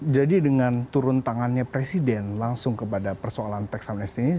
dengan turun tangannya presiden langsung kepada persoalan tax amnesty ini